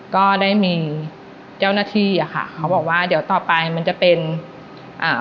ก็ได้มีเจ้าหน้าที่อ่ะค่ะเขาบอกว่าเดี๋ยวต่อไปมันจะเป็นอ่า